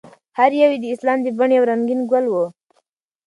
هر یو یې د اسلام د بڼ یو رنګین ګل و.